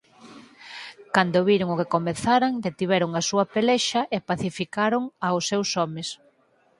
Cando viron o que comezaran detiveron a súa pelexa e pacificaron aos seus homes.